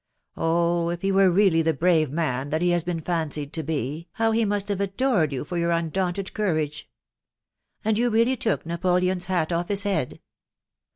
Oh ! if he were really the brave man that he has been fancied to be, how he must have adored you for your undaunted cou rage !.... And you really took Napoleon's hat off his head